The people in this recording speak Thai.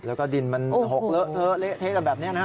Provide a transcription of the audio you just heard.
แล้วก็ดินมันหกเลอะเทอะเละเทะกันแบบนี้นะฮะ